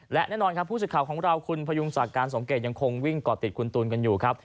และแน่นอนครับผู้สื่อข่าวของเราคุณพยุงศักดิ์การสมเกตยังคงวิ่งก่อติดคุณตูนกันอยู่ครับ